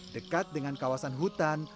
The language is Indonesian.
dekat dengan kawasan hutan